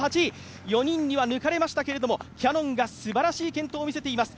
４人には抜かれましたけれども、キヤノンがすばらしい健闘を見せています。